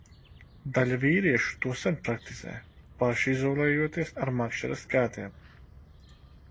Daļa vīriešu to sen praktizē, pašizolējoties ar makšķeres kātiem.